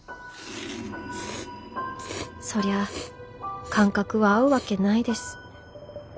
そりゃ感覚は合うわけないです